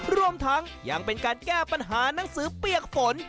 รวมทั้งยังเป็นการแก้ปัญหานังสือเปียกฝน